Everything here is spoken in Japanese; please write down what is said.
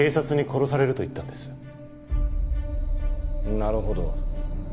なるほど。